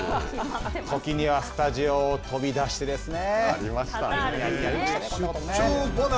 時にはスタジオを飛び出してですね。